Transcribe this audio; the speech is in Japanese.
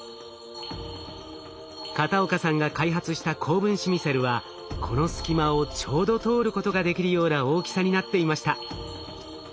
片岡さんが開発した高分子ミセルはこの隙間をちょうど通ることができるような大きさになっていました。